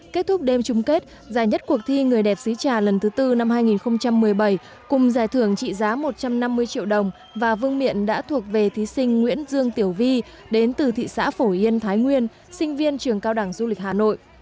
kết thúc đêm chung kết giải nhất cuộc thi người đẹp xí trà lần thứ tư năm hai nghìn một mươi bảy cùng giải thưởng trị giá một trăm năm mươi triệu đồng và vương miện đã thuộc về thí sinh nguyễn dương tiểu vi đến từ thị xã phổ yên thái nguyên sinh viên trường cao đẳng du lịch hà nội